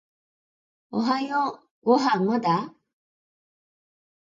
おはようご飯まだ？